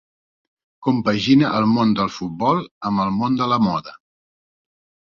Compagina el món del futbol amb el món de la moda.